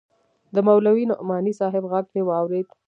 د مولوي نعماني صاحب ږغ مې واورېد.